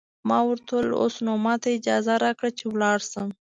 ما ورته وویل: اوس نو ماته اجازه راکړئ چې ولاړ شم.